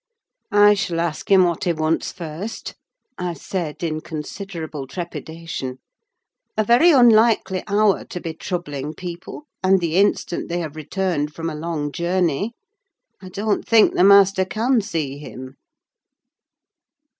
"I shall ask him what he wants first," I said, in considerable trepidation. "A very unlikely hour to be troubling people, and the instant they have returned from a long journey. I don't think the master can see him."